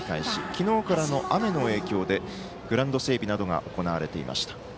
昨日からの雨の影響でグラウンド整備などが行われていました。